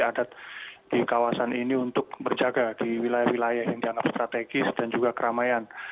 adat di kawasan ini untuk berjaga di wilayah wilayah yang dianggap strategis dan juga keramaian